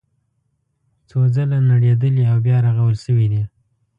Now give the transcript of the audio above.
څو ځله نړېدلي او بیا رغول شوي دي.